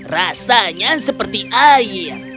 rasanya seperti air